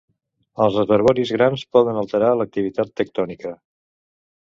Els reservoris grans poden alterar l'activitat tectònica.